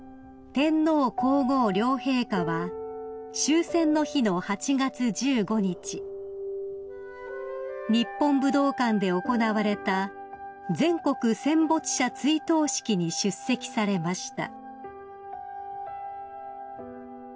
［天皇皇后両陛下は終戦の日の８月１５日日本武道館で行われた全国戦没者追悼式に出席されました］